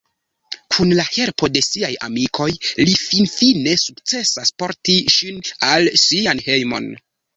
Kun la helpo de siaj amikoj, li finfine sukcesas porti ŝin al sian hejmon.